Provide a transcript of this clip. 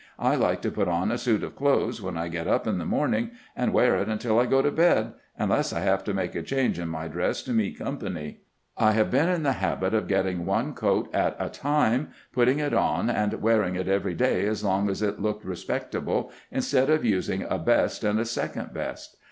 I like to put on a suit of clothes when I get up in the morning, and wear it until I go to bed, unless I have to make a change in my dress to meet company. I have been in the habit of getting one coat at a time, putting it on and wearing it every day as long as it looked re spectable, instead of using a best and a second best.